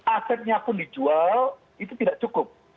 asetnya pun dijual itu tidak cukup